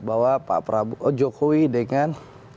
bahwa jokowi dengan